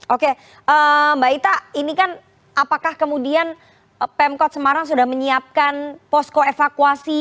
oke mbak ita ini kan apakah kemudian pemkot semarang sudah menyiapkan posko evakuasi